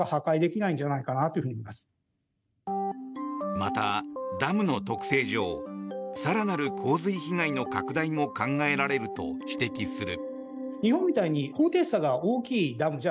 また、ダムの特性上更なる洪水被害の拡大も考えられると指摘する。